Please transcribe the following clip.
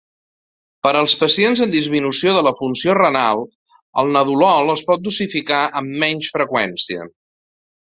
Per als pacients amb disminució de la funció renal, el nadolol es pot dosificar amb menys freqüència.